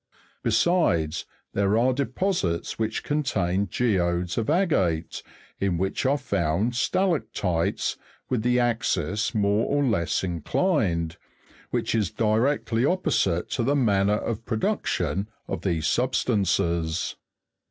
Besides, there are deposits which contain ge'odes of agate, in which are found sta Ja'cthes with the axis more or less _ inclined (fig. 253), which is di lectly opposite to the manner of production of these substances.